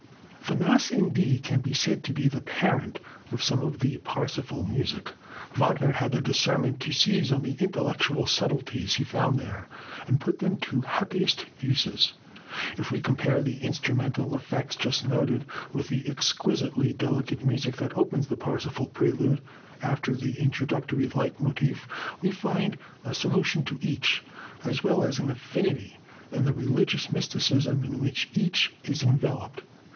The Mass in D can be said to be the parent of some of the Parsifal music. Wagner had the discernment to seize on the intellectual subtleties he found there, and to put them to happiest uses. If we compare the instrumental effects just noted with the exquisitely delicate music that opens the Parsifal Prelude after the introductory leit motif, we find a solution to each, as well as an affinity, in the religious mysticism in which each is enveloped.